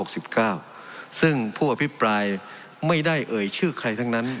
ข้อห้อสิบเก้าซึ่งผู้อภิปรายไม่ได้เอ่ยชื่อใครทั้งนั้น